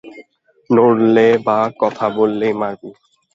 নড়লে বা কথা বললেই মরবি।